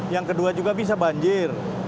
yang kedua juga bisa banjir